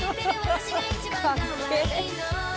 かっけえ。